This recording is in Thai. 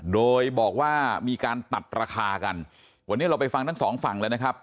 โดยบอกว่ามีการตัดราคากันวันนี้เราไปฟังทั้งสองฝั่งแล้วนะครับ